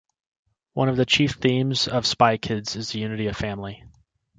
One of the chief themes of "Spy Kids" is the unity of family.